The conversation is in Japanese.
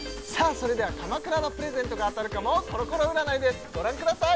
それでは鎌倉のプレゼントが当たるかもコロコロ占いですご覧ください